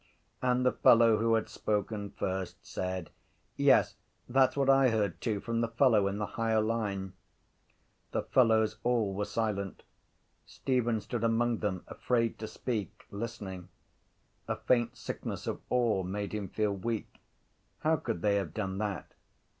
And the fellow who had spoken first said: —Yes, that’s what I heard too from the fellow in the higher line. The fellows all were silent. Stephen stood among them, afraid to speak, listening. A faint sickness of awe made him feel weak. How could they have done that?